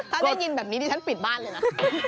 ถ้าได้ยินแบบนี้ดิฉันปิดบ้านเลยนะ